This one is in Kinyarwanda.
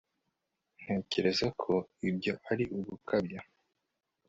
ntekereza ko ibyo ari ugukabya